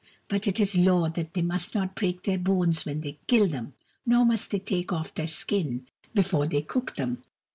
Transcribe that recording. But it is law that they must not break their bones when they kill them, nor must they take off their skin before they cook them.